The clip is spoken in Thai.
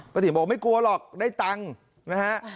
ติ๋มบอกไม่กลัวหรอกได้ตังค์นะฮะ